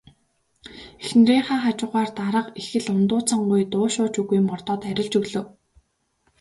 Эхнэрийнхээ хажуугаар дарга их л ундууцангуй дуу шуу ч үгүй мордоод арилж өглөө.